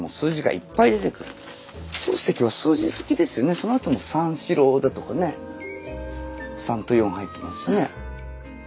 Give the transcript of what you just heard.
そのあとも「三四郎」だとかね三と四入ってますしね。